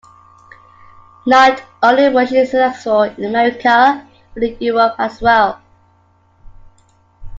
Not only was she successful in America, but in Europe as well.